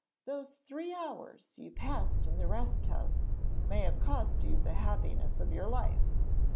'Those three hours you passed in the rest house, may have cost you the happiness of your life.